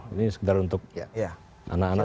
ini sekedar untuk anak anak